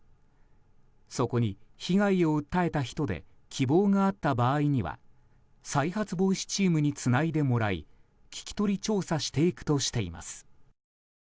そこに被害を訴えた人で希望があった場合には再発防止チームにつないでもらい聞き取り調査していくとしています。